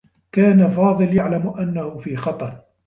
كان فاضل يعلم أنّه في خطر.